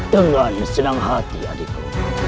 dengan senang hati adikku